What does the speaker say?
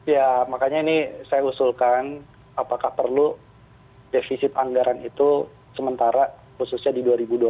ya makanya ini saya usulkan apakah perlu defisit anggaran itu sementara khususnya di dua ribu dua puluh